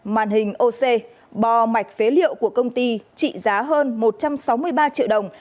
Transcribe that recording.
màn hình oc bo mạch phế liệu của công ty trị giá hơn một trăm sáu mươi ba triệu đồng